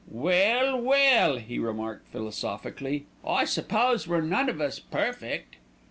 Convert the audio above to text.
"Well, well!" he remarked philosophically, "I suppose we're none of us perfect."